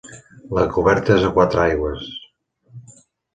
La coberta és a quatre aigües.